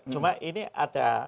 cuma ini ada